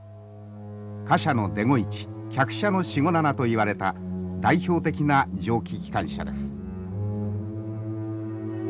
貨車のＤ５１客車のＣ５７と言われた代表的な蒸気機関車です。